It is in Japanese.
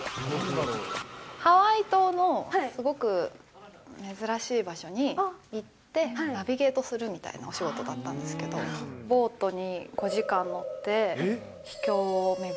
ハワイ島のすごく珍しい場所に行って、ナビゲートするみたいなお仕事だったんですけど、ボートに５時間え？